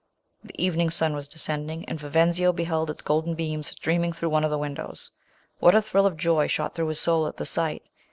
The evening sun was descending, and Vivenzio beheld its golden beams streaming through one of the win dows. What a thrill of joy shot through his soul at the sight